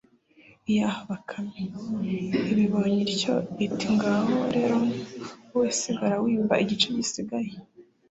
iyaha bakame, ibibonye ityo iti ngaho rero wowe sigara wimba igice gisigaye,